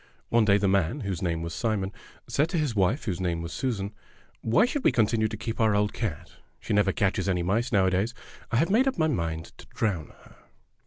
One day the man, whose name was Simon, said to his wife, whose name was Susan: "Why should we continue to keep our old cat? She never catches any mice nowadays. I have made up my mind to drown her.